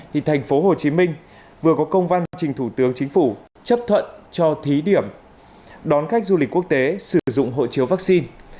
thì thành phố hồ chí minh vừa có công văn trình thủ tướng chính phủ chấp thuận cho thí điểm đón khách du lịch quốc tế sử dụng hộ chiếu vaccine